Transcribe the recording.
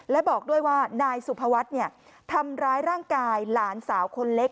และบอกด้วยว่านายสุภวัฒน์ทำร้ายร่างกายหลานสาวคนเล็ก